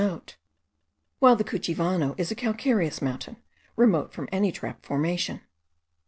while the Cuchivano is a calcareous mountain, remote from any trap formation.